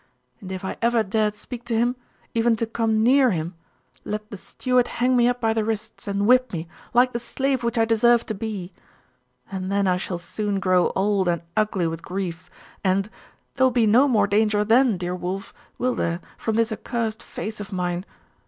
And if I ever dare speak to him even to come near hint let the steward hang me up by the wrists, and whip me, like the slave which I deserve to be!... And then shall I soon grow old and ugly with grief, and there will be no more danger then, dear Wulf, will there, from this accursed face of mine?